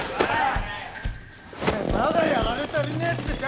てめえまだやられ足りねえってか？